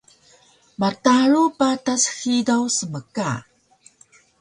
Mataru patas hidaw smka